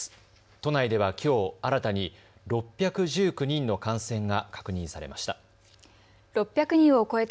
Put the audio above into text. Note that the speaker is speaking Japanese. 都内ではきょう新たに６１９人の感染が確認されました。